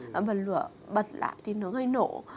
và bần lửa bật lại thì nó hơi nổ